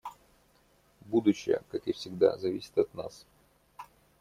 Будущее, как и всегда, зависит от нас.